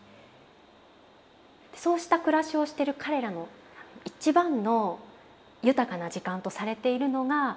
そうした暮らしをしてる彼らの一番の豊かな時間とされているのが「ラーハ」という時間なんです。